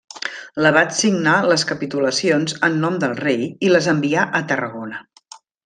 L'abat signà les capitulacions en nom del rei i les envià a Tarragona.